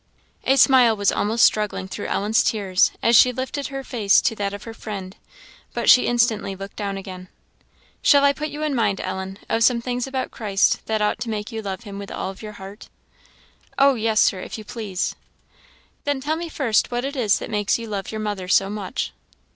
A smile was almost struggling through Ellen's tears as she lifted her face to that of her friend, but she instantly looked down again. "Shall I put you in mind, Ellen, of some things about Christ that ought to make you love him with all your heart?" "Oh yes, Sir, if you please." "Then tell me first what it is that makes you love your mother so much?"